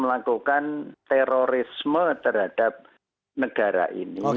melakukan terorisme terhadap negara ini